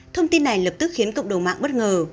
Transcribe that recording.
thông tin này lập tức khiến cộng đồng mạng bất ngờ